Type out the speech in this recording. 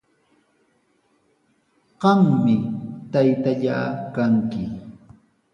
Qami taytallaa kanki.